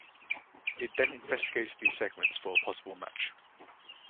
It then investigates these segments for a possible match.